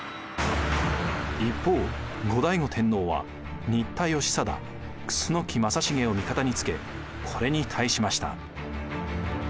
一方後醍醐天皇は新田義貞楠木正成を味方につけこれに対しました。